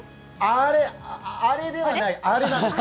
アレではない、あれなんです。